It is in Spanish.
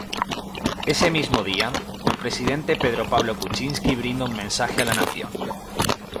Ese mismo día el presidente Pedro Pablo Kuczynski brinda un mensaje a la Nación.